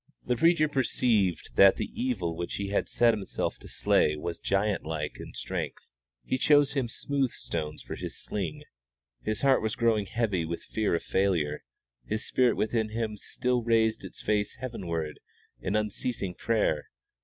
The preacher perceived that the evil which he had set himself to slay was giantlike in strength. He chose him smooth stones for his sling. His heart was growing heavy with fear of failure, his spirit within him still raised its face heavenward in unceasing prayer.